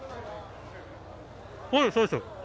はい、そうです。